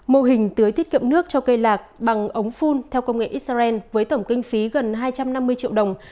mô hình tưới tiết kiệm nước cho cây lạc bằng ống phun theo công nghệ israel với tổng kinh phí gần hai trăm năm mươi triệu đồng